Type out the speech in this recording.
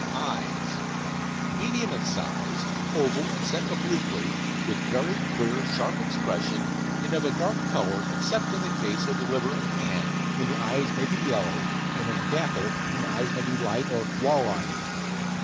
EYES Medium in size, oval, and set obliquely, with very clear, sharp expression and of a dark colour, except in the case of the liver and tan, when the eyes may be yellow; and in the dapple, when the eyes may be light or "wall eyed."